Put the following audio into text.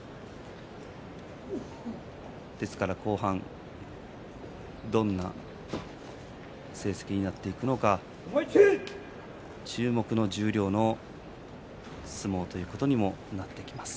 ですから後半どんな成績になっていくのか注目の十両の相撲ということにもなってきます。